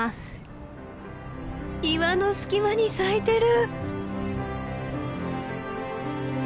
岩の隙間に咲いてる！